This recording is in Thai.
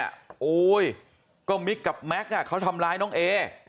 ทำร้ายเอเนี่ยโอ้ยก็มิกกับแม็กซ์อ่ะเขาทำร้ายน้องเอ